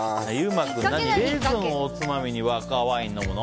馬君はレーズンをおつまみに赤ワイン飲むの？